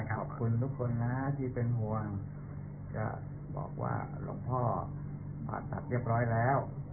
ขอบคุณทุกคนนะที่เป็นห่วงก็บอกว่าหลวงพ่อผ่าตัดเรียบร้อยแล้ว